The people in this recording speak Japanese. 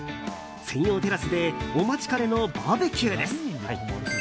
専用テラスでお待ちかねのバーベキューです。